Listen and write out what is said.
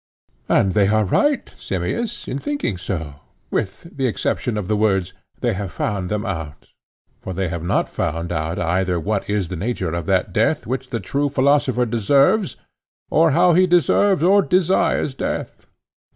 And they are right, Simmias, in thinking so, with the exception of the words 'they have found them out'; for they have not found out either what is the nature of that death which the true philosopher deserves, or how he deserves or desires death.